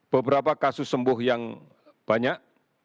beberapa kasus sembuh yang banyak